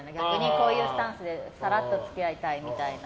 こういうスタンスでさらっと付き合いたいみたいな。